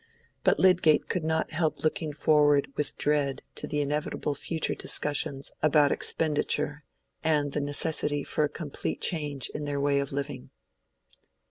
But Lydgate could not help looking forward with dread to the inevitable future discussions about expenditure and the necessity for a complete change in their way of living.